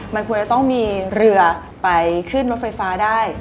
มันควรจะต้องมีเรือไปขึ้นรถไฟฟ้าได้